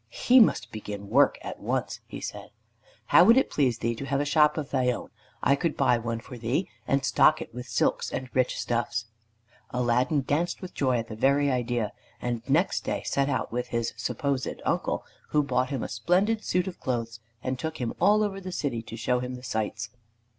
"He must begin work at once," he said. "How would it please thee to have a shop of thy own? I could buy one for thee, and stock it with silks and rich stuffs." Aladdin danced with joy at the very idea, and next day set out with his supposed uncle, who bought him a splendid suit of clothes, and took him all over the city to show him the sights.